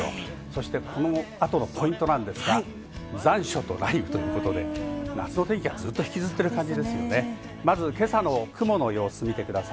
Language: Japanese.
そしてこの後のポイントなんですが、残暑と雷雨ということで、夏の天気はずっと引きずってる感じ。